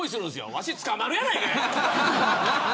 わし捕まるやないかい。